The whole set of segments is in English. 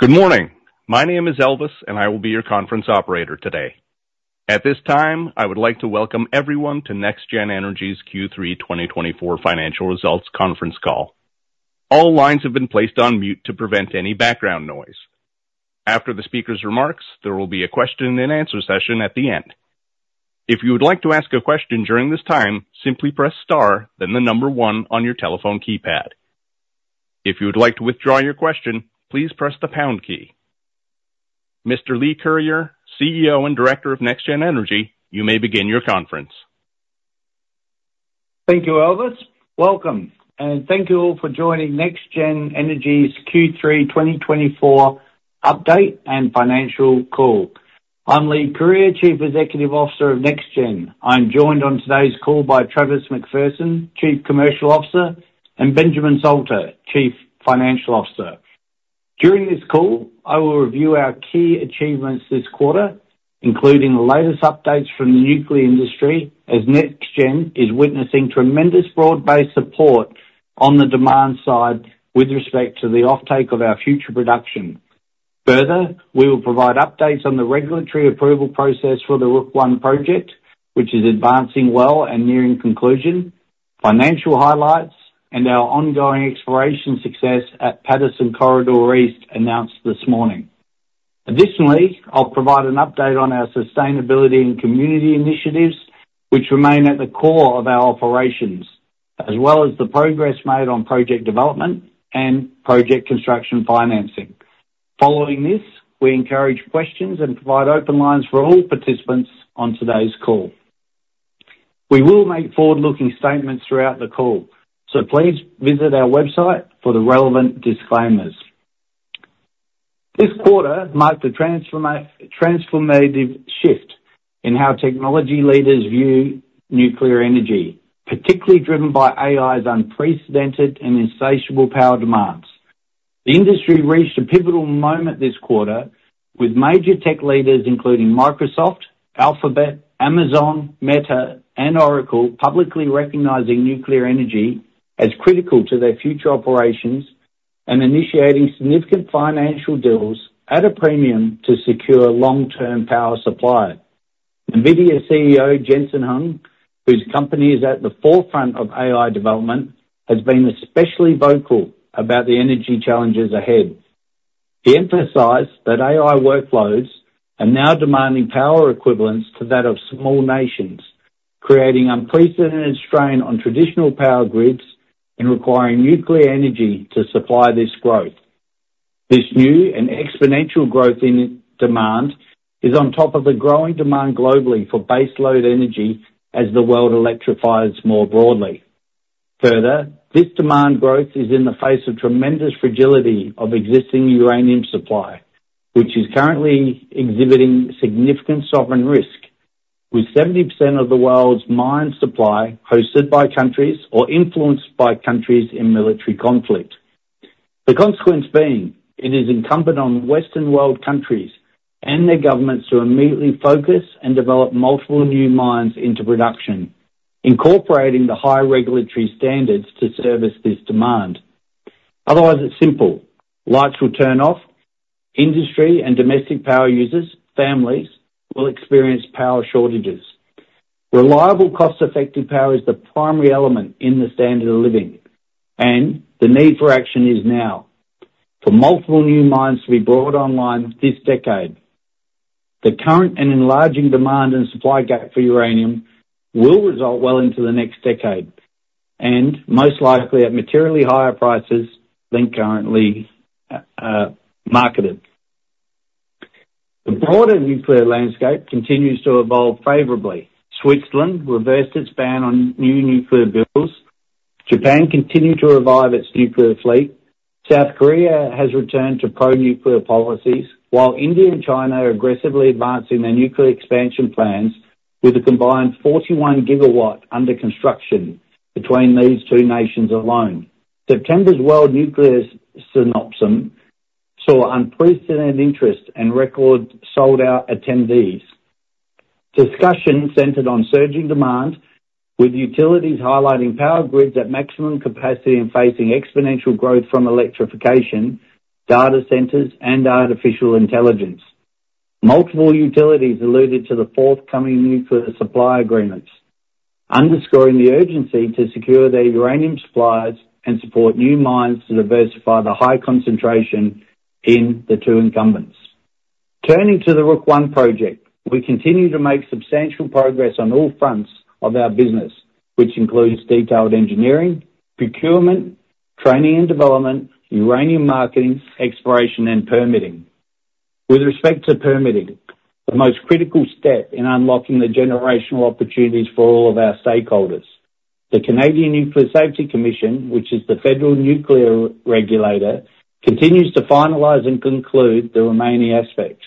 Good morning. My name is Elvis, and I will be your conference operator today. At this time, I would like to welcome everyone to NexGen Energy's Q3 2024 financial results conference call. All lines have been placed on mute to prevent any background noise. After the speaker's remarks, there will be a question-and-answer session at the end. If you would like to ask a question during this time, simply press star, then the number one on your telephone keypad. If you would like to withdraw your question, please press the pound key. Mr. Leigh Curyer, CEO and Director of NexGen Energy, you may begin your conference. Thank you, Elvis. Welcome, and thank you all for joining NexGen Energy's Q3 2024 update and financial call. I'm Leigh Curyer, Chief Executive Officer of NexGen. I'm joined on today's call by Travis McPherson, Chief Commercial Officer, and Benjamin Salter, Chief Financial Officer. During this call, I will review our key achievements this quarter, including the latest updates from the nuclear industry, as NexGen is witnessing tremendous broad-based support on the demand side with respect to the offtake of our future production. Further, we will provide updates on the regulatory approval process for the Rook I project, which is advancing well and nearing conclusion, financial highlights, and our ongoing exploration success at Patterson Corridor East announced this morning. Additionally, I'll provide an update on our sustainability and community initiatives, which remain at the core of our operations, as well as the progress made on project development and project construction financing. Following this, we encourage questions and provide open lines for all participants on today's call. We will make forward-looking statements throughout the call, so please visit our website for the relevant disclaimers. This quarter marked a transformative shift in how technology leaders view nuclear energy, particularly driven by AI's unprecedented and insatiable power demands. The industry reached a pivotal moment this quarter, with major tech leaders including Microsoft, Alphabet, Amazon, Meta, and Oracle publicly recognizing nuclear energy as critical to their future operations and initiating significant financial deals at a premium to secure long-term power supply. NVIDIA CEO Jensen Huang, whose company is at the forefront of AI development, has been especially vocal about the energy challenges ahead. He emphasized that AI workloads are now demanding power equivalents to that of small nations, creating unprecedented strain on traditional power grids and requiring nuclear energy to supply this growth. This new and exponential growth in demand is on top of the growing demand globally for baseload energy as the world electrifies more broadly. Further, this demand growth is in the face of tremendous fragility of existing uranium supply, which is currently exhibiting significant sovereign risk, with 70% of the world's mine supply hosted by countries or influenced by countries in military conflict. The consequence being it is incumbent on Western world countries and their governments to immediately focus and develop multiple new mines into production, incorporating the high regulatory standards to service this demand. Otherwise, it's simple: lights will turn off, industry and domestic power users, families, will experience power shortages. Reliable, cost-effective power is the primary element in the standard of living, and the need for action is now for multiple new mines to be brought online this decade. The current and enlarging demand and supply gap for uranium will result well into the next decade and most likely at materially higher prices than currently marketed. The broader nuclear landscape continues to evolve favorably. Switzerland reversed its ban on new nuclear builds. Japan continued to revive its nuclear fleet. South Korea has returned to pro-nuclear policies, while India and China are aggressively advancing their nuclear expansion plans with a combined 41 gigawatt under construction between these two nations alone. September's World Nuclear Symposium saw unprecedented interest and record sold-out attendees. Discussion centered on surging demand, with utilities highlighting power grids at maximum capacity and facing exponential growth from electrification, data centers, and artificial intelligence. Multiple utilities alluded to the forthcoming nuclear supply agreements, underscoring the urgency to secure their uranium supplies and support new mines to diversify the high concentration in the two incumbents. Turning to the Rook I Project, we continue to make substantial progress on all fronts of our business, which includes detailed engineering, procurement, training and development, uranium marketing, exploration, and permitting. With respect to permitting, the most critical step in unlocking the generational opportunities for all of our stakeholders, the Canadian Nuclear Safety Commission, which is the federal nuclear regulator, continues to finalize and conclude the remaining aspects.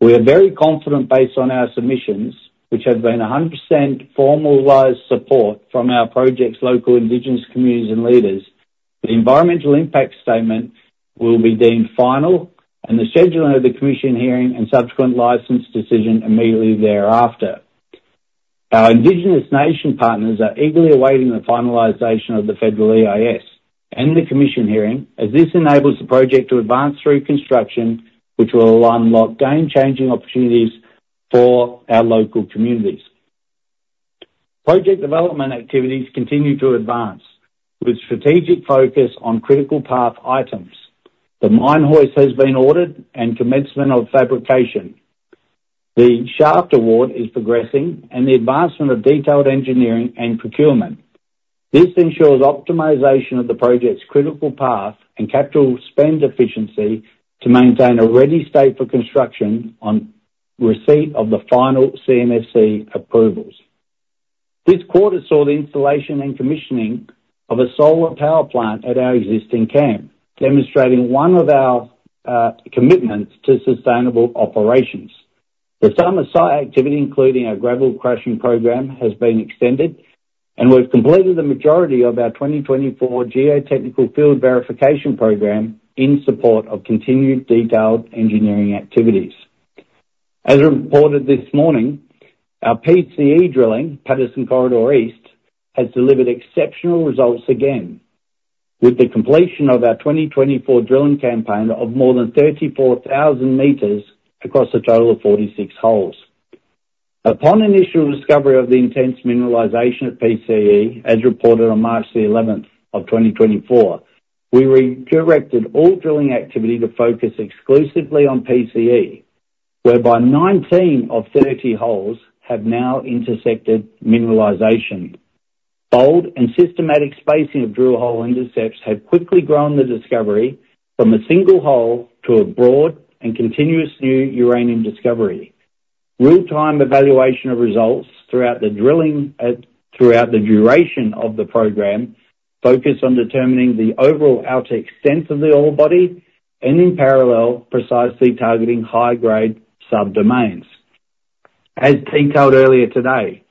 We are very confident, based on our submissions, which have been 100% formalized support from our project's local Indigenous communities and leaders. The environmental impact statement will be deemed final, and the scheduling of the commission hearing and subsequent license decision immediately thereafter. Our Indigenous nation partners are eagerly awaiting the finalization of the federal EIS and the commission hearing, as this enables the project to advance through construction, which will unlock game-changing opportunities for our local communities. Project development activities continue to advance, with strategic focus on critical path items. The mine hoist has been ordered and commencement of fabrication. The shaft award is progressing, and the advancement of detailed engineering and procurement. This ensures optimization of the project's critical path and capital spend efficiency to maintain a ready state for construction on receipt of the final CNSC approvals. This quarter saw the installation and commissioning of a solar power plant at our existing camp, demonstrating one of our commitments to sustainable operations. The summer site activity, including our gravel crushing program, has been extended, and we've completed the majority of our 2024 geotechnical field verification program in support of continued detailed engineering activities. As reported this morning, our PCE drilling, Patterson Corridor East, has delivered exceptional results again, with the completion of our 2024 drilling campaign of more than 34,000 meters across a total of 46 holes. Upon initial discovery of the intense mineralization at PCE, as reported on March the 11th of 2024, we redirected all drilling activity to focus exclusively on PCE, whereby 19 of 30 holes have now intersected mineralization. Bold and systematic spacing of drill hole intercepts have quickly grown the discovery from a single hole to a broad and continuous new uranium discovery. Real-time evaluation of results throughout the drilling, throughout the duration of the program, focused on determining the overall outer extent of the ore body and, in parallel, precisely targeting high-grade subdomains. As detailed earlier today,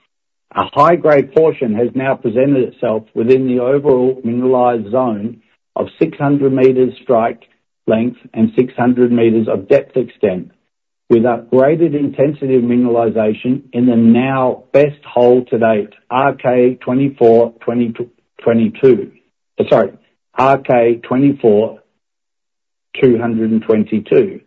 a high-grade portion has now presented itself within the overall mineralized zone of 600 meters strike length and 600 meters of depth extent, with a graded intensity of mineralization in the now best hole to date, RK24-22. Sorry, RK24-222,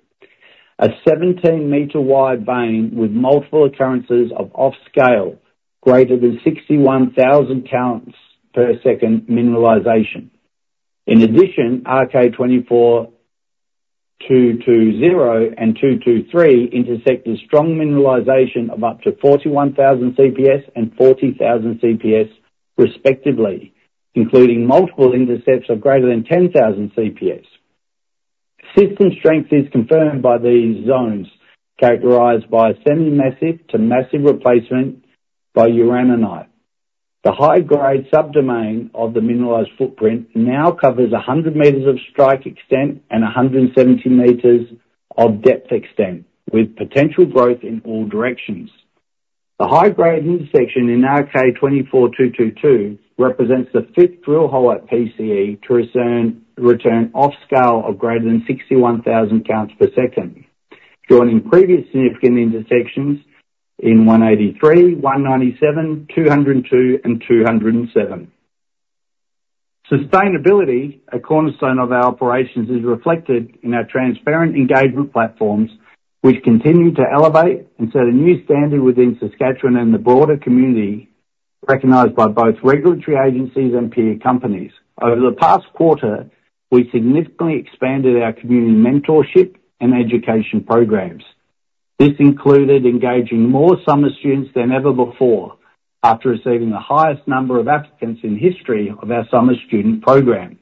a 17-meter-wide vein with multiple occurrences of off-scale greater than 61,000 counts per second mineralization. In addition, RK24-220 and 223 intersect with strong mineralization of up to 41,000 CPS and 40,000 CPS, respectively, including multiple intercepts of greater than 10,000 CPS. System strength is confirmed by these zones, characterized by semi-massive to massive replacement by uraninite. The high-grade subdomain of the mineralized footprint now covers 100 meters of strike extent and 170 meters of depth extent, with potential growth in all directions. The high-grade intersection in RK24-222 represents the fifth drill hole at PCE to return off-scale of greater than 61,000 counts per second, joining previous significant intersections in 183, 197, 202, and 207. Sustainability, a cornerstone of our operations, is reflected in our transparent engagement platforms, which continue to elevate and set a new standard within Saskatchewan and the broader community, recognized by both regulatory agencies and peer companies. Over the past quarter, we significantly expanded our community mentorship and education programs. This included engaging more summer students than ever before, after receiving the highest number of applicants in history of our summer student program.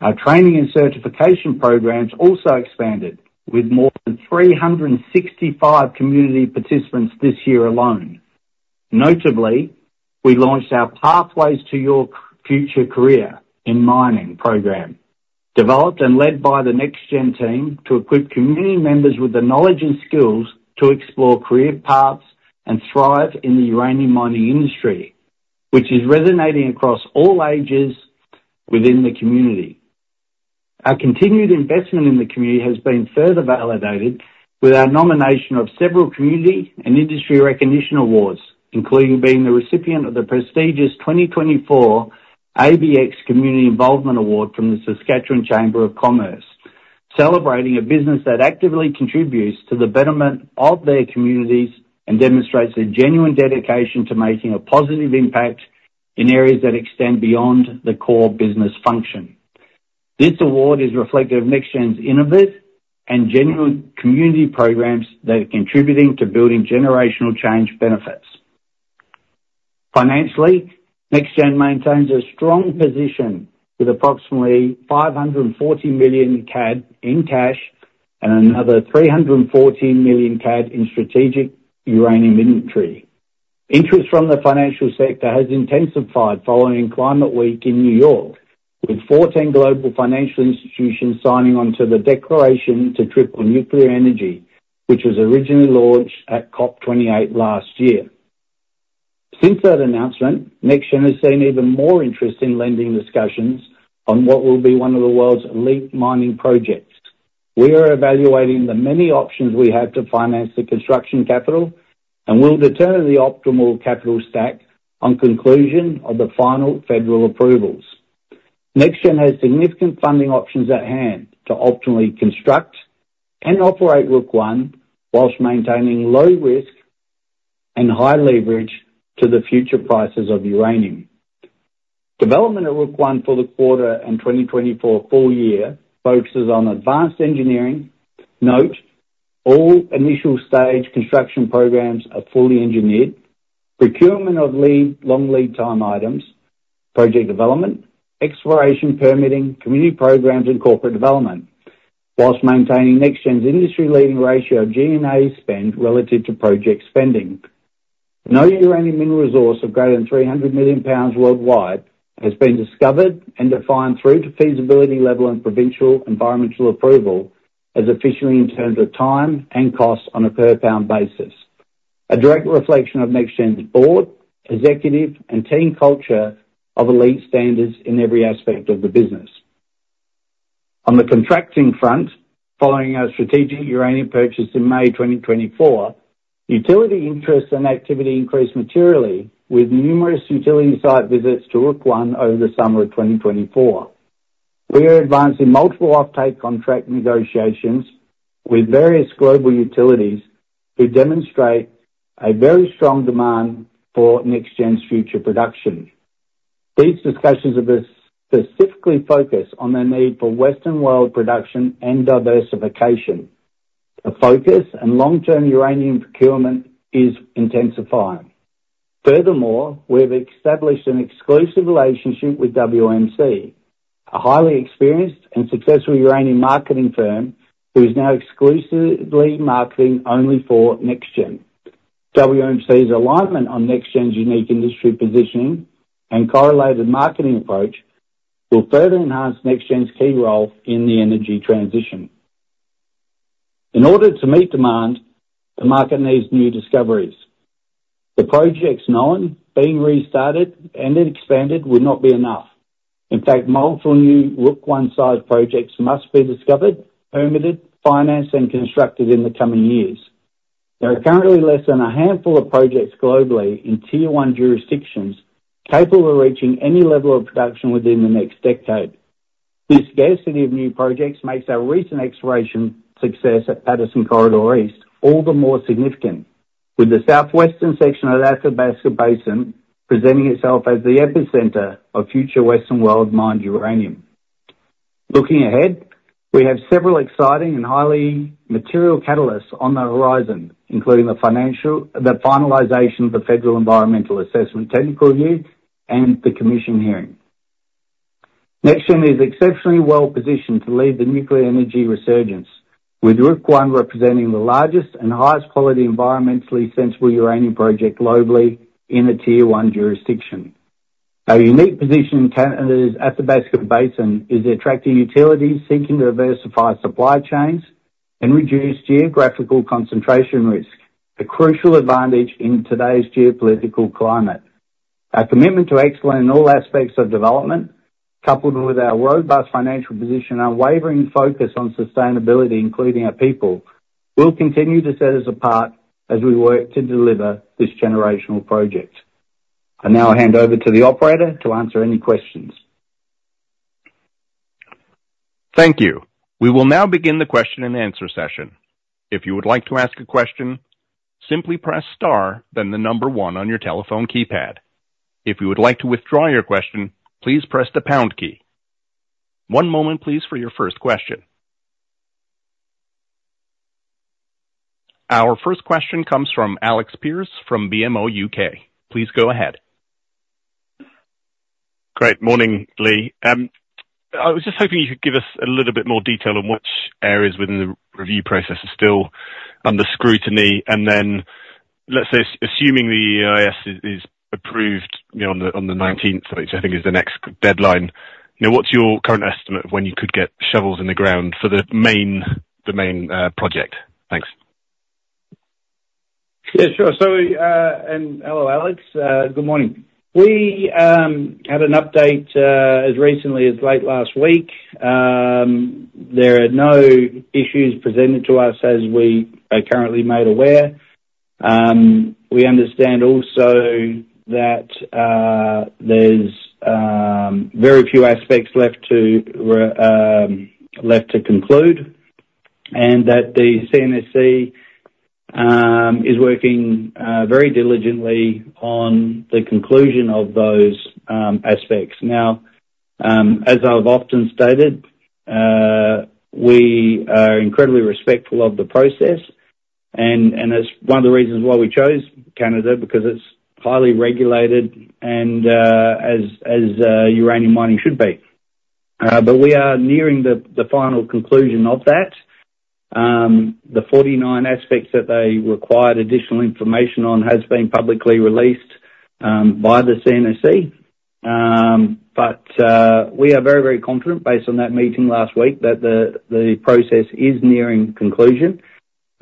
Our training and certification programs also expanded, with more than 365 community participants this year alone. Notably, we launched our Pathways to Your Future Career in Mining program, developed and led by the NexGen team, to equip community members with the knowledge and skills to explore career paths and thrive in the uranium mining industry, which is resonating across all ages within the community. Our continued investment in the community has been further validated with our nomination of several community and industry recognition awards, including being the recipient of the prestigious 2024 ABEX Community Involvement Award from the Saskatchewan Chamber of Commerce, celebrating a business that actively contributes to the betterment of their communities and demonstrates a genuine dedication to making a positive impact in areas that extend beyond the core business function. This award is reflective of NexGen's innovative and genuine community programs that are contributing to building generational change benefits. Financially, NexGen maintains a strong position with approximately 540 million CAD in cash and another 314 million CAD in strategic uranium inventory. Interest from the financial sector has intensified following Climate Week in New York, with 14 global financial institutions signing on to the Declaration to Triple Nuclear Energy, which was originally launched at COP28 last year. Since that announcement, NexGen has seen even more interest in lending discussions on what will be one of the world's elite mining projects. We are evaluating the many options we have to finance the construction capital and will determine the optimal capital stack on conclusion of the final federal approvals. NexGen has significant funding options at hand to optimally construct and operate Rook 1 while maintaining low risk and high leverage to the future prices of uranium. Development at Rook 1 for the quarter and 2024 full year focuses on advanced engineering. Note all initial stage construction programs are fully engineered, procurement of long lead time items, project development, exploration, permitting, community programs, and corporate development, while maintaining NexGen's industry-leading ratio of G&A spend relative to project spending. No uranium mineral resource of greater than 300 million pounds worldwide has been discovered and defined through to feasibility level and provincial environmental approval as efficiently in terms of time and cost on a per-pound basis, a direct reflection of NexGen's board, executive, and team culture of elite standards in every aspect of the business. On the contracting front, following our strategic uranium purchase in May 2024, utility interest and activity increased materially, with numerous utility site visits to Rook I over the summer of 2024. We are advancing multiple offtake contract negotiations with various global utilities who demonstrate a very strong demand for NexGen's future production. These discussions specifically focus on the need for western world production and diversification. The focus and long-term uranium procurement is intensifying. Furthermore, we have established an exclusive relationship with WMC, a highly experienced and successful uranium marketing firm who is now exclusively marketing only for NexGen. WMC's alignment on NexGen's unique industry positioning and correlated marketing approach will further enhance NexGen's key role in the energy transition. In order to meet demand, the market needs new discoveries. The projects known, being restarted, and then expanded would not be enough. In fact, multiple new Rook I-sized projects must be discovered, permitted, financed, and constructed in the coming years. There are currently less than a handful of projects globally in tier one jurisdictions capable of reaching any level of production within the next decade. This scarcity of new projects makes our recent exploration success at Patterson Corridor East all the more significant, with the southwestern section of the Athabasca Basin presenting itself as the epicenter of future Western world mined uranium. Looking ahead, we have several exciting and highly material catalysts on the horizon, including the finalization of the Federal Environmental Assessment Technical Review and the commission hearing. NexGen is exceptionally well positioned to lead the nuclear energy resurgence, with Rook I representing the largest and highest quality environmentally sensible uranium project globally in a tier one jurisdiction. Our unique position in Canada's Athabasca Basin is attracting utilities seeking to diversify supply chains and reduce geographical concentration risk, a crucial advantage in today's geopolitical climate. Our commitment to excellence in all aspects of development, coupled with our robust financial position and unwavering focus on sustainability, including our people, will continue to set us apart as we work to deliver this generational project. I now hand over to the operator to answer any questions. Thank you. We will now begin the question and answer session. If you would like to ask a question, simply press star, then the number one on your telephone keypad. If you would like to withdraw your question, please press the pound key. One moment, please, for your first question. Our first question comes from Alex Pearce from BMO UK. Please go ahead. Great. Morning, Leigh. I was just hoping you could give us a little bit more detail on which areas within the review process are still under scrutiny. And then, let's say, assuming the EIS is approved on the 19th, which I think is the next deadline, what's your current estimate of when you could get shovels in the ground for the main project? Thanks. Yeah, sure. And hello, Alex. Good morning. We had an update as recently as late last week. There are no issues presented to us, as we are currently made aware. We understand also that there's very few aspects left to conclude and that the CNSC is working very diligently on the conclusion of those aspects. Now, as I've often stated, we are incredibly respectful of the process. And that's one of the reasons why we chose Canada, because it's highly regulated, as uranium mining should be. But we are nearing the final conclusion of that. The 49 aspects that they required additional information on have been publicly released by the CNSC. But we are very, very confident, based on that meeting last week, that the process is nearing conclusion.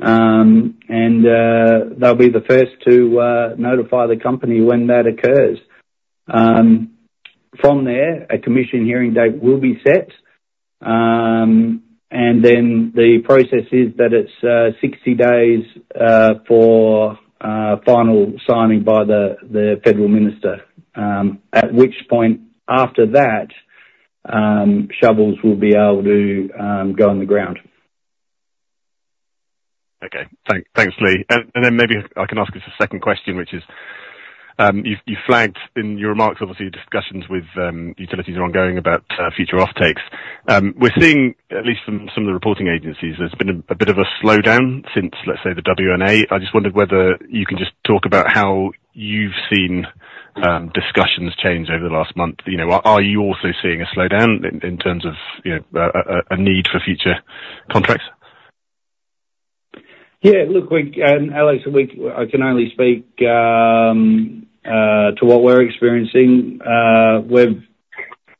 And they'll be the first to notify the company when that occurs. From there, a commission hearing date will be set. And then the process is that it's 60 days for final signing by the federal minister, at which point, after that, shovels will be able to go in the ground. Okay. Thanks, Leigh. And then maybe I can ask this as a second question, which is you flagged in your remarks, obviously, discussions with utilities are ongoing about future off-takes. We're seeing, at least from some of the reporting agencies, there's been a bit of a slowdown since, let's say, the WNA. I just wondered whether you can just talk about how you've seen discussions change over the last month. Are you also seeing a slowdown in terms of a need for future contract Yeah. Look, Alex, I can only speak to what we're experiencing.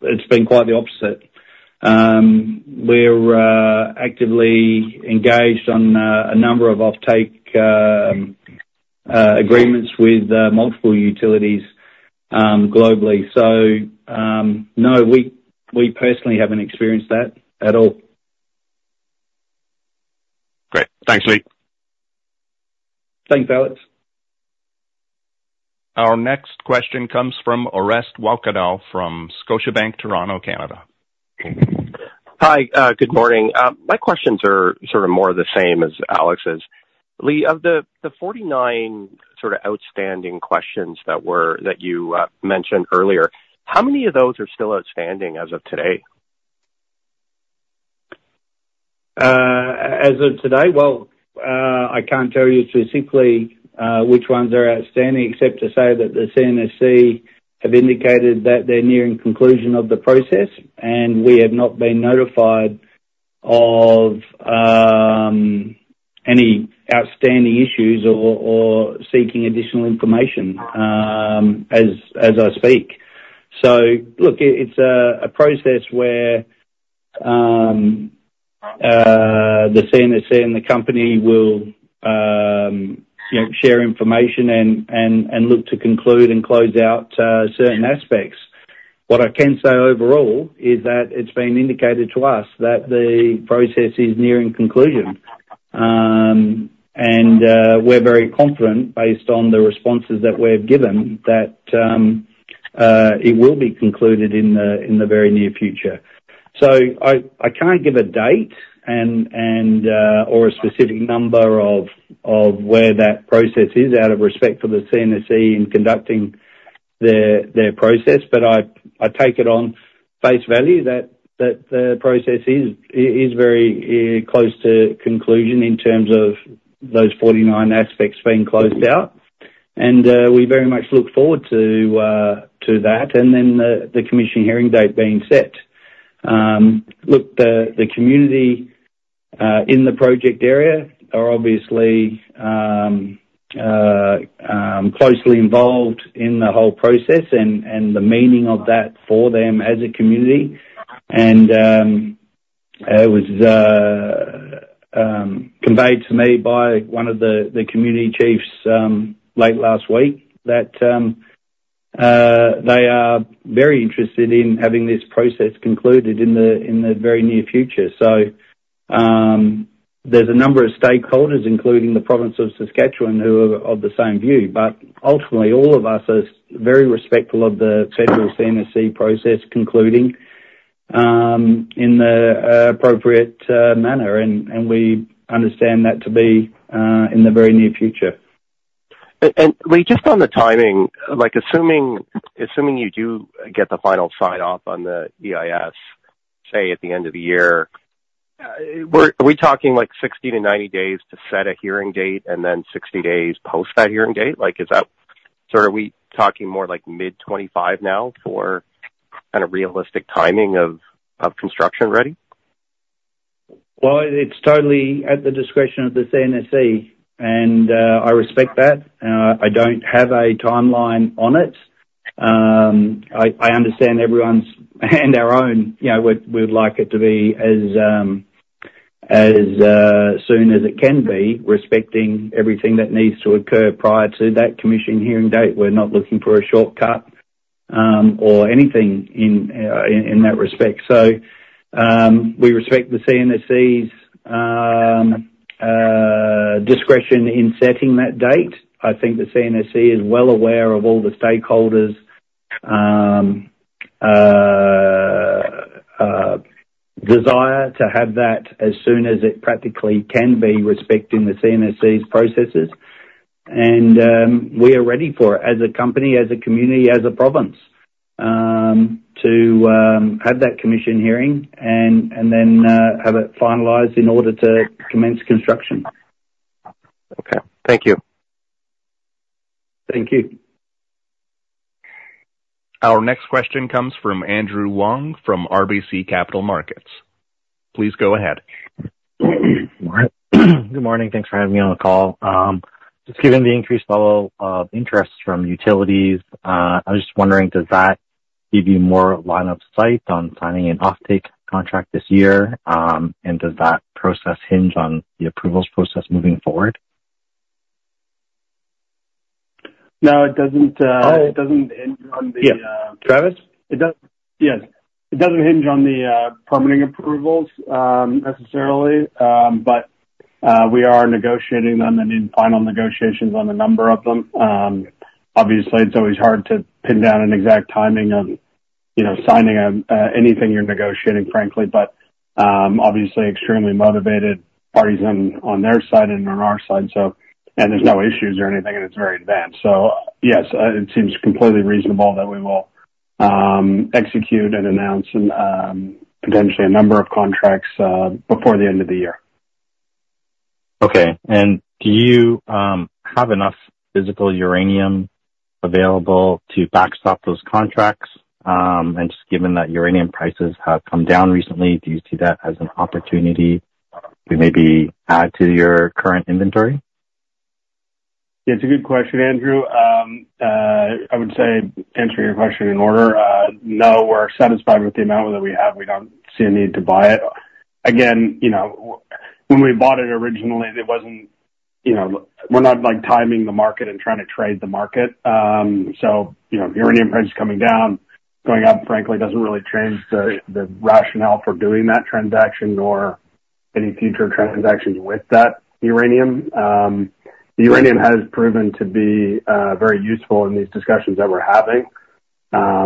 It's been quite the opposite. We're actively engaged on a number of off-take agreements with multiple utilities globally. So no, we personally haven't experienced that at all. Great. Thanks, Leigh. Thanks, Alex. Our next question comes from Orest Wowkodaw from Scotiabank, Toronto, Canada. Hi. Good morning. My questions are sort of more the same as Alex's. Leigh, of the 49 sort of outstanding questions that you mentioned earlier, how many of those are still outstanding as of today? As of today? Well, I can't tell you specifically which ones are outstanding, except to say that the CNSC have indicated that they're nearing conclusion of the process, and we have not been notified of any outstanding issues or seeking additional information as I speak. So look, it's a process where the CNSC and the company will share information and look to conclude and close out certain aspects. What I can say overall is that it's been indicated to us that the process is nearing conclusion. And we're very confident, based on the responses that we've given, that it will be concluded in the very near future. So I can't give a date or a specific number of where that process is, out of respect for the CNSC in conducting their process. But I take it on face value that the process is very close to conclusion in terms of those 49 aspects being closed out. And we very much look forward to that and then the commission hearing date being set. Look, the community in the project area are obviously closely involved in the whole process and the meaning of that for them as a community. And it was conveyed to me by one of the community chiefs late last week that they are very interested in having this process concluded in the very near future. So there's a number of stakeholders, including the province of Saskatchewan, who are of the same view. But ultimately, all of us are very respectful of the federal CNSC process concluding in the appropriate manner. And we understand that to be in the very near future. And Leigh, just on the timing, assuming you do get the final sign-off on the EIS, say, at the end of the year, are we talking 60-90 days to set a hearing date and then 60 days post that hearing date? Are we talking more like mid-2025 now for kind of realistic timing of construction ready? Well, it's totally at the discretion of the CNSC. And I respect that. I don't have a timeline on it. I understand everyone's and our own. We would like it to be as soon as it can be, respecting everything that needs to occur prior to that commission hearing date. We're not looking for a shortcut or anything in that respect. So we respect the CNSC's discretion in setting that date. I think the CNSC is well aware of all the stakeholders' desire to have that as soon as it practically can be, respecting the CNSC's processes. And we are ready for it as a company, as a community, as a province, to have that commission hearing and then have it finalized in order to commence construction. Okay. Thank you. Thank you. Our next question comes from Andrew Wong from RBC Capital Markets. Please go ahead. Good morning. Thanks for having me on the call. Just given the increased level of interest from utilities, I'm just wondering, does that give you more line of sight on signing an off-take contract this year? And does that process hinge on the approvals process moving forward? Yeah. Travis? Yes. It doesn't hinge on the permitting approvals necessarily. But we are negotiating them and in final negotiations on a number of them. Obviously, it's always hard to pin down an exact timing on signing anything you're negotiating, frankly. But obviously, extremely motivated parties on their side and on our side. And there's no issues or anything, and it's very advanced. So yes, it seems completely reasonable that we will execute and announce potentially a number of contracts before the end of the year. Okay. And do you have enough physical uranium available to backstop those contracts? And just given that uranium prices have come down recently, do you see that as an opportunity to maybe add to your current inventory? Yeah, it's a good question, Andrew. I would say, answering your question in order, no, we're satisfied with the amount that we have. We don't see a need to buy it. Again, when we bought it originally, it wasn't; we're not timing the market and trying to trade the market, so uranium prices coming down, going up, frankly, doesn't really change the rationale for doing that transaction or any future transactions with that uranium. The uranium has proven to be very useful in these discussions that we're having,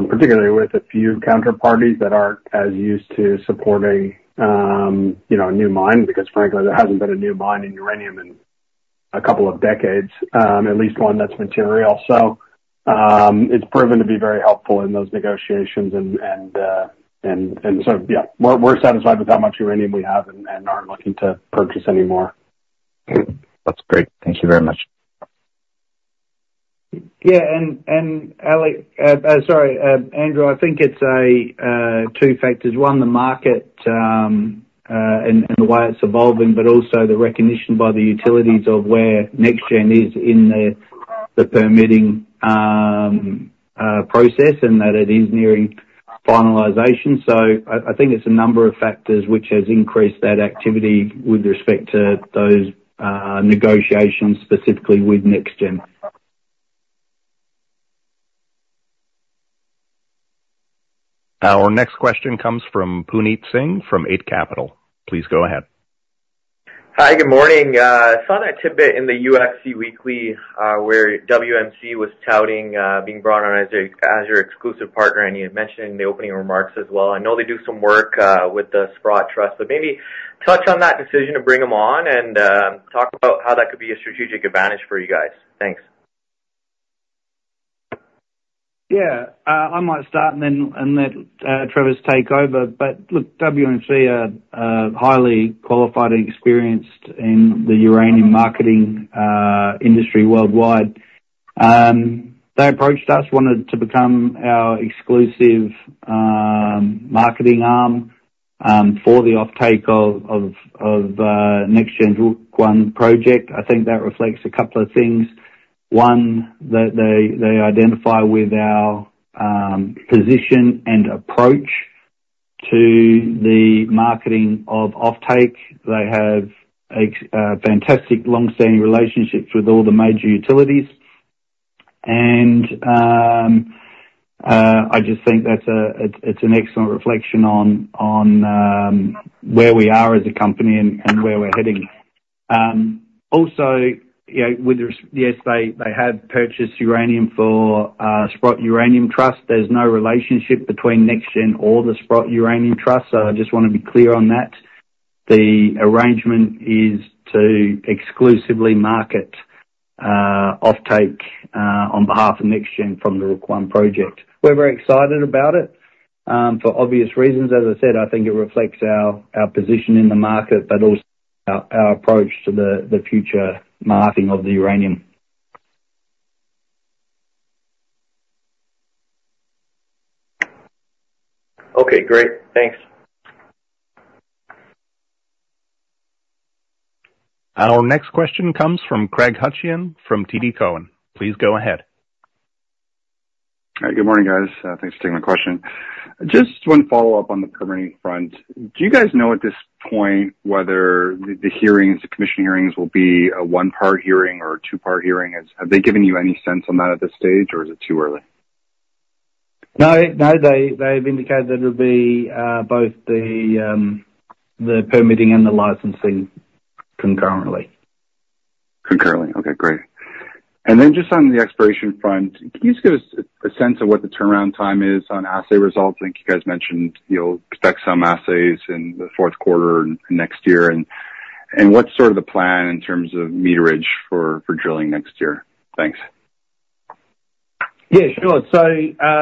particularly with a few counterparties that aren't as used to supporting new mines because, frankly, there hasn't been a new mine in uranium in a couple of decades, at least one that's material. So it's proven to be very helpful in those negotiations. And so yeah, we're satisfied with how much uranium we have and aren't looking to purchase any more. That's great. Thank you very much. Yeah. And sorry, Andrew, I think it's two factors. One, the market and the way it's evolving, but also the recognition by the utilities of where NexGen is in the permitting process and that it is nearing finalization. So I think it's a number of factors which has increased that activity with respect to those negotiations specifically with NexGen. Our next question comes from Puneet Singh from Eight Capital. Please go ahead. Hi. Good morning. I saw that tidbit in the UxC Weekly where WMC was touting being brought on as your exclusive partner. And you had mentioned in the opening remarks as well. I know they do some work with the Sprott Trust, but maybe touch on that decision to bring them on and talk about how that could be a strategic advantage for you guys. Thanks. Yeah. I might start and let Travis take over. But look, WMC are highly qualified and experienced in the uranium marketing industry worldwide. They approached us, wanted to become our exclusive marketing arm for the off-take of NexGen's Rook I project. I think that reflects a couple of things. One, they identify with our position and approach to the marketing of off-take. They have fantastic long-standing relationships with all the major utilities. And I just think that it's an excellent reflection on where we are as a company and where we're heading. Also, yes, they have purchased uranium for Sprott Uranium Trust. There's no relationship between NexGen or the Sprott Uranium Trust. So I just want to be clear on that. The arrangement is to exclusively market off-take on behalf of NexGen from the Rook I project. We're very excited about it for obvious reasons. As I said, I think it reflects our position in the market, but also our approach to the future marketing of the uranium. Okay. Great. Thanks. Our next question comes from Craig Hutchison from TD Cowen. Please go ahead. Hi. Good morning, guys. Thanks for taking my question. Just one follow-up on the permitting front. Do you guys know at this point whether the commission hearings will be a one-part hearing or a two-part hearing? Have they given you any sense on that at this stage, or is it too early? No. They've indicated it'll be both the permitting and the licensing concurrently. Concurrently. Okay. Great. And then just on the exploration front, can you just give us a sense of what the turnaround time is on assay results? I think you guys mentioned you'll expect some assays in the fourth quarter and next year. And what's sort of the plan in terms of meterage for drilling next year? Thanks. Yeah. Sure. So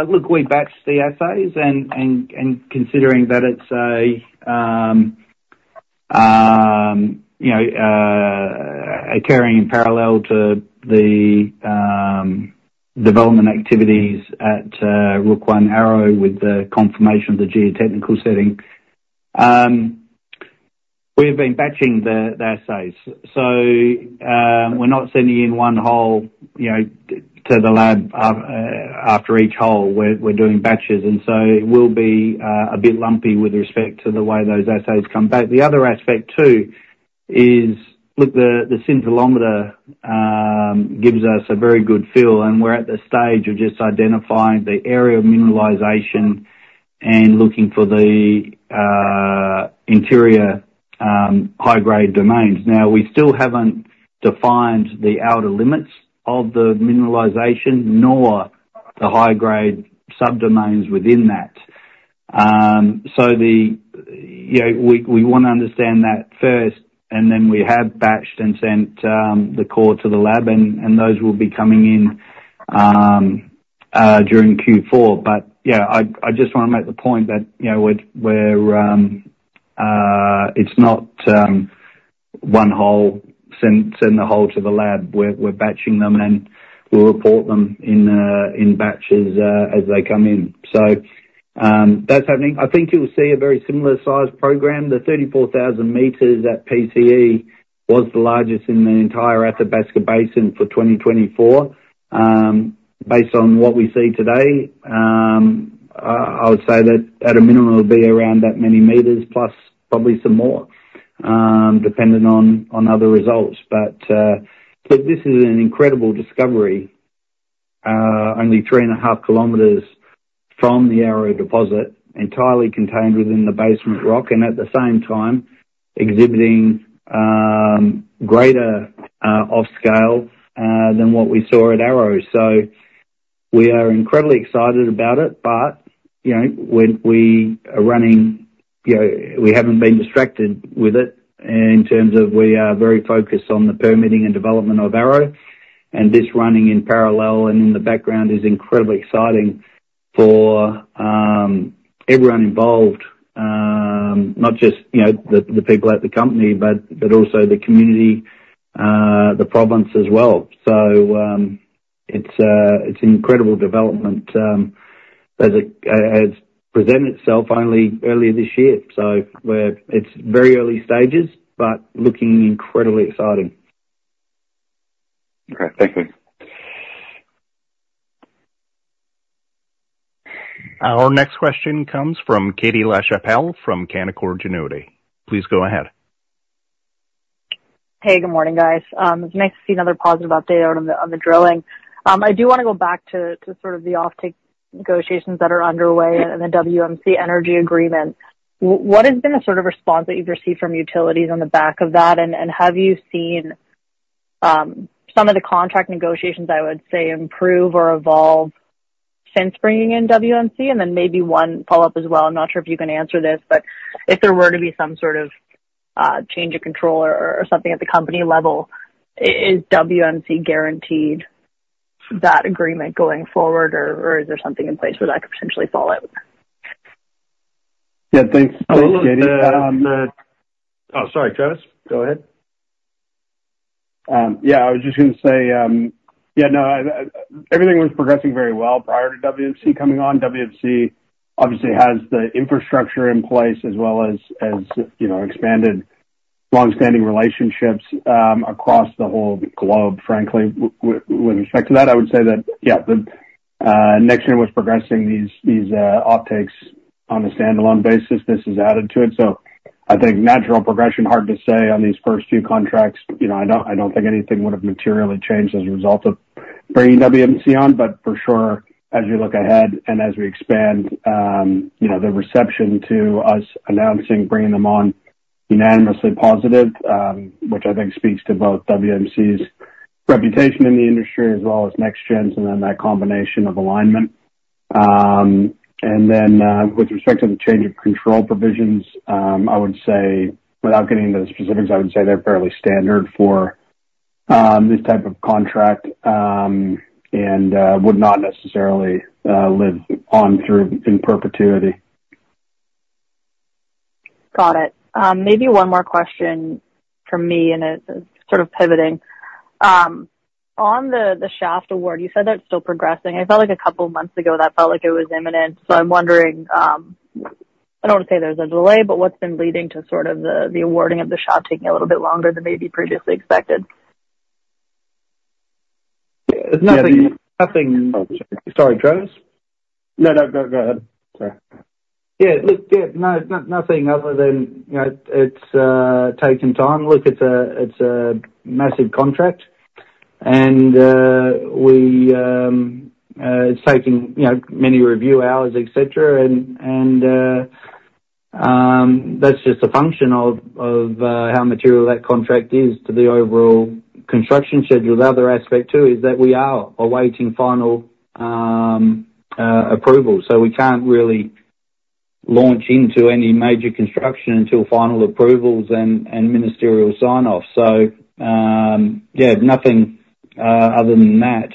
look, we've batched the assays. And considering that it's occurring in parallel to the development activities at Rook I Arrow with the confirmation of the geotechnical setting, we have been batching the assays. So we're not sending in one hole to the lab after each hole. We're doing batches. And so it will be a bit lumpy with respect to the way those assays come back. The other aspect too is, look, the scintillometer gives us a very good feel. And we're at the stage of just identifying the area of mineralization and looking for the interior high-grade domains. Now, we still haven't defined the outer limits of the mineralization nor the high-grade subdomains within that. So we want to understand that first. And then we have batched and sent the core to the lab. And those will be coming in during Q4. But yeah, I just want to make the point that it's not one hole, send the hole to the lab. We're batching them, and we'll report them in batches as they come in. So that's happening. I think you'll see a very similar size program. The 34,000 meters at PCE was the largest in the entire Athabasca Basin for 2024. Based on what we see today, I would say that at a minimum, it'll be around that many meters plus probably some more, depending on other results. But look, this is an incredible discovery, only three and a half kilometers from the Arrow deposit, entirely contained within the basement rock, and at the same time exhibiting greater off-scale than what we saw at Arrow. So we are incredibly excited about it. But we are running. We haven't been distracted with it in terms of we are very focused on the permitting and development of Arrow. And this, running in parallel and in the background, is incredibly exciting for everyone involved, not just the people at the company, but also the community, the province as well. So it's an incredible development. It's presented itself only earlier this year. So it's very early stages, but looking incredibly exciting. Okay. Thank you. Our next question comes from Katie Lachapelle from Canaccord Genuity. Please go ahead. Hey. Good morning, guys. It's nice to see another positive update on the drilling. I do want to go back to sort of the off-take negotiations that are underway and the WMC Energy agreement. What has been the sort of response that you've received from utilities on the back of that? And have you seen some of the contract negotiations, I would say, improve or evolve since bringing in WMC? And then maybe one follow-up as well. I'm not sure if you can answer this. But if there were to be some sort of change of control or something at the company level, is WMC guaranteed that agreement going forward, or is there something in place where that could potentially fall out? Yeah. Thanks. Katie. Oh, sorry, Travis. Go ahead. Yeah. I was just going to say, yeah, no, everything was progressing very well prior to WMC coming on. WMC obviously has the infrastructure in place as well as expanded long-standing relationships across the whole globe, frankly. With respect to that, I would say that, yeah, NexGen was progressing these off-takes on a standalone basis. This has added to it. So I think natural progression, hard to say on these first few contracts. I don't think anything would have materially changed as a result of bringing WMC on. But for sure, as you look ahead and as we expand, the reception to us announcing bringing them on unanimously positive, which I think speaks to both WMC's reputation in the industry as well as NexGen's and then that combination of alignment, and then with respect to the change of control provisions, I would say, without getting into the specifics, I would say they're fairly standard for this type of contract and would not necessarily live on through in perpetuity. Got it. Maybe one more question for me, and it's sort of pivoting. On the shaft award, you said that it's still progressing. I felt like a couple of months ago, that felt like it was imminent. So I'm wondering, I don't want to say there's a delay, but what's been leading to sort of the awarding of the shaft taking a little bit longer than maybe previously expected? Yeah. It's nothing. Sorry, Travis? No, no, go ahead. Sorry. Yeah. Look, yeah, nothing other than it's taking time. Look, it's a massive contract. And it's taking many review hours, etc. And that's just a function of how material that contract is to the overall construction schedule. The other aspect too is that we are awaiting final approval. So we can't really launch into any major construction until final approvals and ministerial sign-off. So yeah, nothing other than that.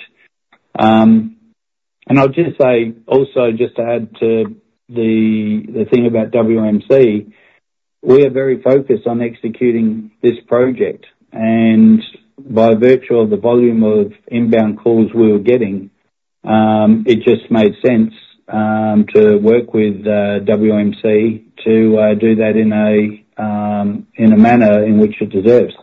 And I'll just say, also just to add to the thing about WMC, we are very focused on executing this project. And by virtue of the volume of inbound calls we were getting, it just made sense to work with WMC to do that in a manner in which it deserves.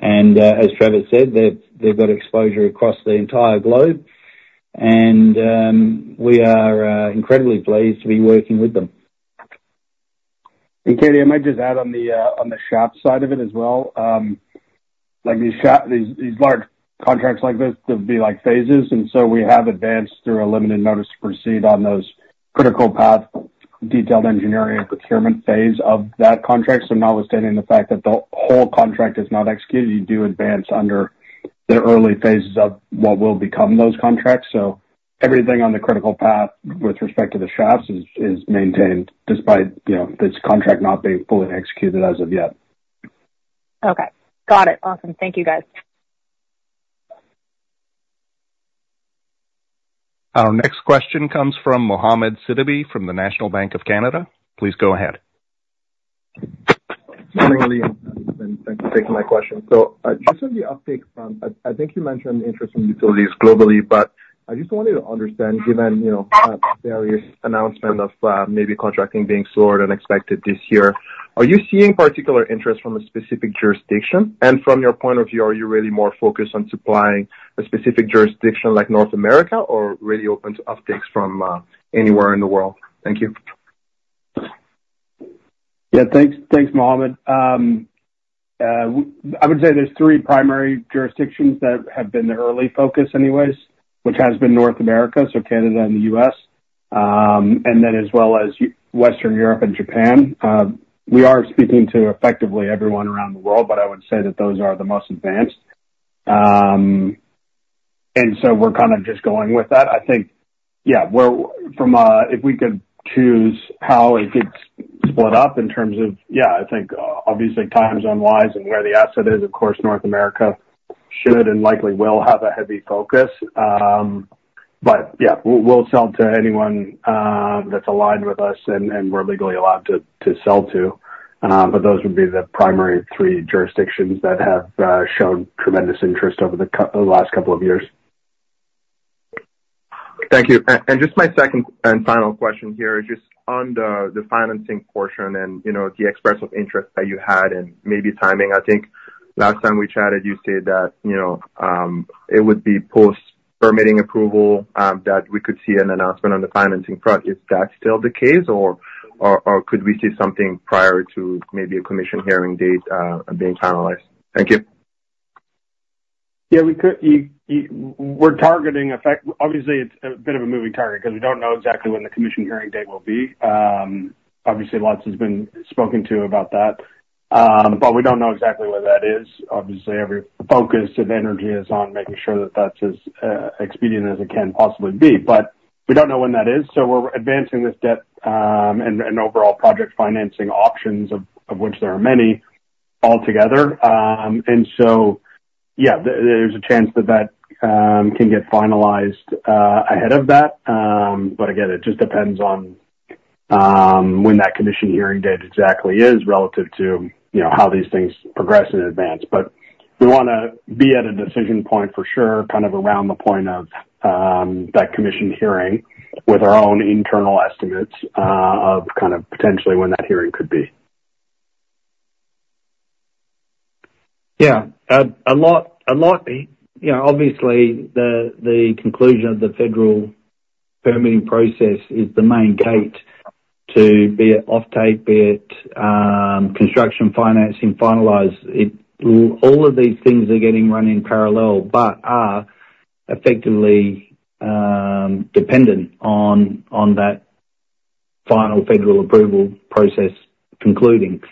And as Travis said, they've got exposure across the entire globe. And we are incredibly pleased to be working with them. And Katie, I might just add on the shaft side of it as well. These large contracts like this, there'll be phases. And so we have advanced through a limited notice to proceed on those critical path detailed engineering and procurement phase of that contract. So notwithstanding the fact that the whole contract is not executed, you do advance under the early phases of what will become those contracts. So everything on the critical path with respect to the shafts is maintained despite this contract not being fully executed as of yet. Okay. Got it. Awesome. Thank you, guys. Our next question comes from Mohammad Sidibé from the National Bank of Canada. Please go ahead. Good morning, William. Thanks for taking my question. So just on the uptake front, I think you mentioned interest in utilities globally. But I just wanted to understand, given various announcements of maybe contracting being soared and expected this year, are you seeing particular interest from a specific jurisdiction? And from your point of view, are you really more focused on supplying a specific jurisdiction like North America or really open to uptakes from anywhere in the world? Thank you. Yeah. Thanks, Mohammad. I would say there's three primary jurisdictions that have been the early focus anyways, which has been North America, so Canada and the U.S., and then as well as Western Europe and Japan. We are speaking to effectively everyone around the world, but I would say that those are the most advanced. And so we're kind of just going with that. I think, yeah, if we could choose how it gets split up in terms of, yeah, I think obviously time zone-wise and where the asset is, of course, North America should and likely will have a heavy focus. But yeah, we'll sell to anyone that's aligned with us and we're legally allowed to sell to. But those would be the primary three jurisdictions that have shown tremendous interest over the last couple of years. Thank you. And just my second and final question here is just on the financing portion and the expressed interest that you had and maybe timing. I think last time we chatted, you said that it would be post-permitting approval that we could see an announcement on the financing front. Is that still the case, or could we see something prior to maybe a commission hearing date being finalized? Thank you. Yeah. We're targeting, obviously. It's a bit of a moving target because we don't know exactly when the commission hearing date will be. Obviously, lots has been spoken to about that, but we don't know exactly where that is. Obviously, every focus and energy is on making sure that that's as expedient as it can possibly be, but we don't know when that is, so we're advancing this debt and overall project financing options, of which there are many altogether, and so yeah, there's a chance that that can get finalized ahead of that, but again, it just depends on when that commission hearing date exactly is relative to how these things progress in advance, but we want to be at a decision point for sure, kind of around the point of that commission hearing with our own internal estimates of kind of potentially when that hearing could be. Yeah. A lot. Obviously, the conclusion of the federal permitting process is the main gate to be it off-take, be it construction financing finalized. All of these things are getting run in parallel but are effectively dependent on that final federal approval process concluding.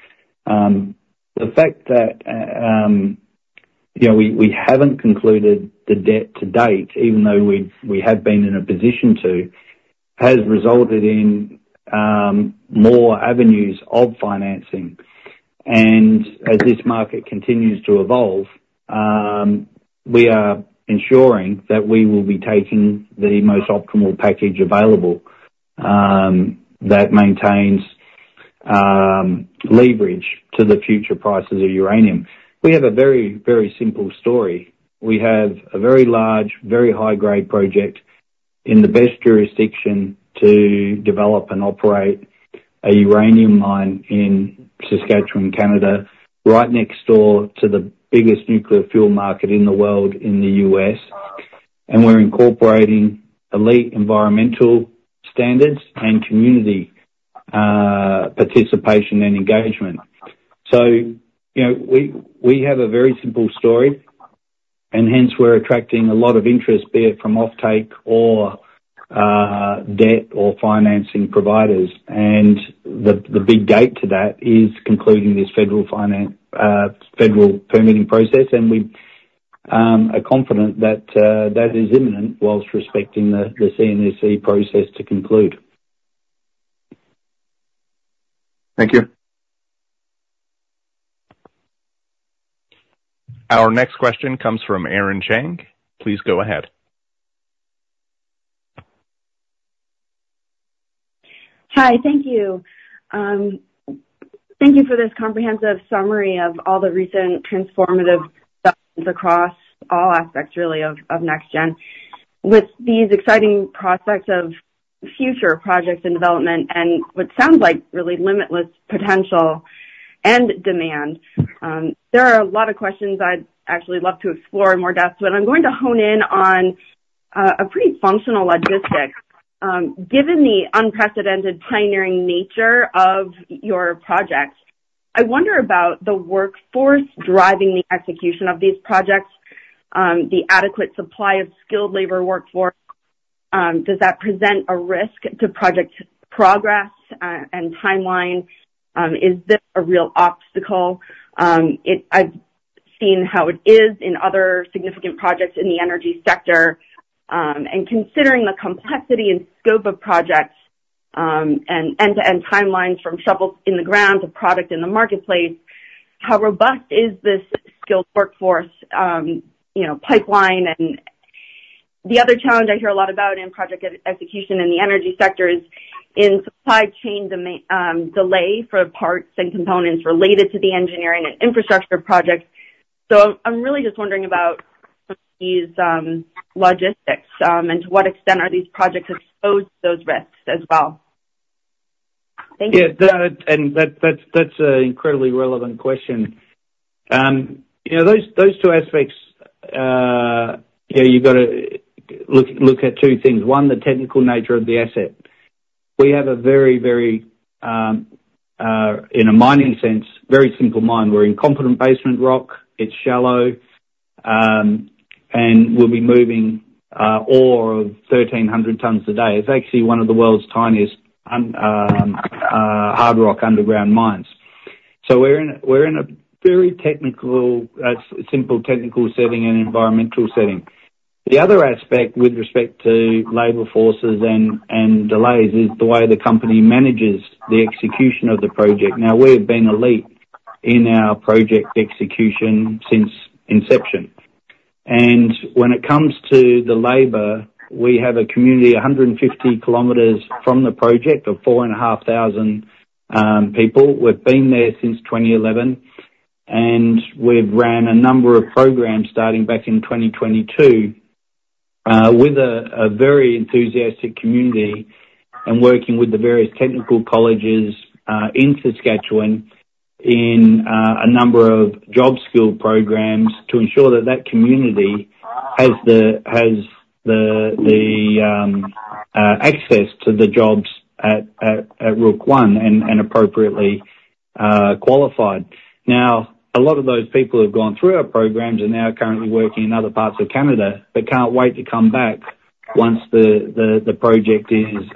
The fact that we haven't concluded the debt to date, even though we have been in a position to, has resulted in more avenues of financing. And as this market continues to evolve, we are ensuring that we will be taking the most optimal package available that maintains leverage to the future prices of uranium. We have a very, very simple story. We have a very large, very high-grade project in the best jurisdiction to develop and operate a uranium mine in Saskatchewan, Canada, right next door to the biggest nuclear fuel market in the world in the U.S. We're incorporating elite environmental standards and community participation and engagement. So we have a very simple story. And hence, we're attracting a lot of interest, be it from off-take or debt or financing providers. And the big date to that is concluding this federal permitting process. And we are confident that that is imminent while respecting the CNSC process to conclude. Thank you. Our next question comes from Erin Chang. Please go ahead. Hi. Thank you. Thank you for this comprehensive summary of all the recent transformative developments across all aspects, really, of NexGen. With these exciting prospects of future projects and development and what sounds like really limitless potential and demand, there are a lot of questions I'd actually love to explore in more depth. But I'm going to hone in on a pretty functional logistic. Given the unprecedented pioneering nature of your project, I wonder about the workforce driving the execution of these projects, the adequate supply of skilled labor workforce. Does that present a risk to project progress and timeline? Is this a real obstacle? I've seen how it is in other significant projects in the energy sector. And considering the complexity and scope of projects and end-to-end timelines from shovels in the ground to product in the marketplace, how robust is this skilled workforce pipeline? And the other challenge I hear a lot about in project execution in the energy sector is in supply chain delay for parts and components related to the engineering and infrastructure projects. So I'm really just wondering about these logistics and to what extent are these projects exposed to those risks as well. Thank you. Yeah. And that's an incredibly relevant question. Those two aspects, you've got to look at two things. One, the technical nature of the asset. We have a very, very, in a mining sense, very simple mine. We're in competent basement rock. It's shallow. And we'll be moving ore of 1,300 tons a day. It's actually one of the world's tiniest hard rock underground mines. So we're in a very simple technical setting and environmental setting. The other aspect with respect to labor forces and delays is the way the company manages the execution of the project. Now, we have been elite in our project execution since inception. And when it comes to the labor, we have a community 150 kilometers from the project of 4,500 people. We've been there since 2011. We've ran a number of programs starting back in 2022 with a very enthusiastic community and working with the various technical colleges in Saskatchewan in a number of job skill programs to ensure that that community has the access to the jobs at Rook I and appropriately qualified. Now, a lot of those people who have gone through our programs are now currently working in other parts of Canada but can't wait to come back once the project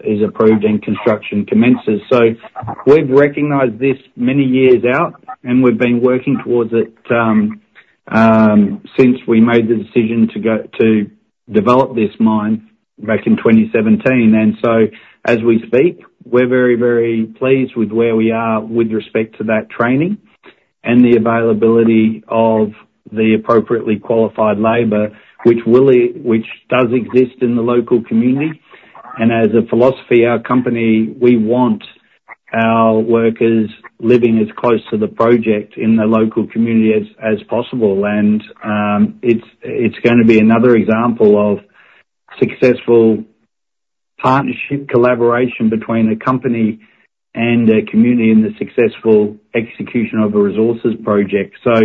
is approved and construction commences. So we've recognized this many years out, and we've been working towards it since we made the decision to develop this mine back in 2017. And so as we speak, we're very, very pleased with where we are with respect to that training and the availability of the appropriately qualified labor, which does exist in the local community. As a philosophy, our company, we want our workers living as close to the project in the local community as possible. And it's going to be another example of successful partnership collaboration between a company and a community in the successful execution of a resources project. So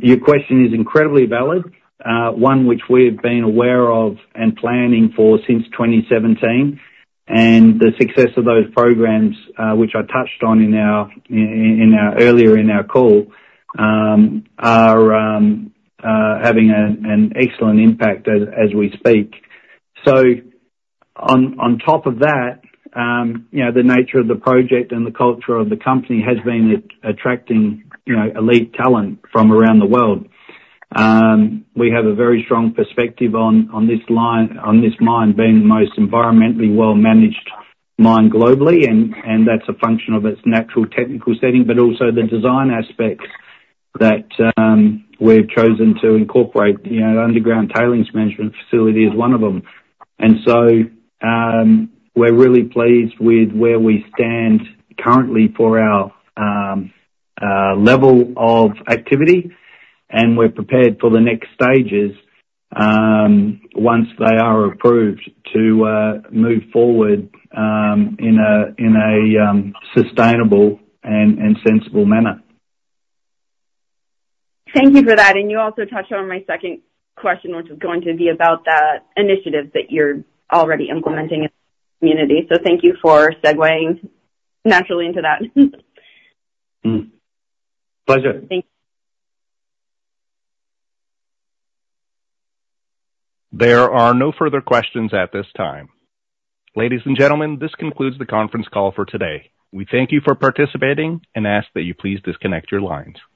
your question is incredibly valid, one which we have been aware of and planning for since 2017. And the success of those programs, which I touched on earlier in our call, are having an excellent impact as we speak. So on top of that, the nature of the project and the culture of the company has been attracting elite talent from around the world. We have a very strong perspective on this mine being the most environmentally well-managed mine globally. And that's a function of its natural technical setting, but also the design aspects that we've chosen to incorporate. The underground tailings management facility is one of them. And so we're really pleased with where we stand currently for our level of activity. And we're prepared for the next stages once they are approved to move forward in a sustainable and sensible manner. Thank you for that. And you also touched on my second question, which is going to be about the initiatives that you're already implementing in the community. So thank you for segueing naturally into that. Pleasure. Thank you. There are no further questions at this time. Ladies and gentlemen, this concludes the conference call for today. We thank you for participating and ask that you please disconnect your lines.